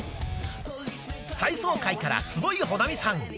体操界から坪井保菜美さん。